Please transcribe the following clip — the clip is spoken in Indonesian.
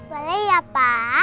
boleh ya pa